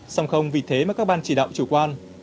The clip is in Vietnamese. song không vì thế mà các ban chỉ đạo chủ quan